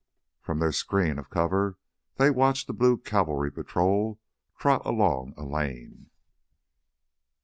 From their screen of cover they watched a blue cavalry patrol trot along a lane.